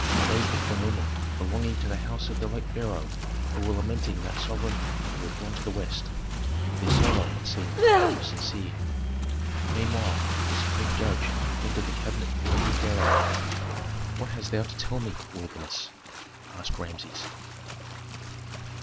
Those were from women belonging to the house of the late pharaoh who were lamenting that sovereign who had gone to the west. Their sorrow, it seemed, was sincere. Meanwhile the supreme judge entered the cabinet of the new pharaoh. "What hast thou to tell me, worthiness?" asked Rameses.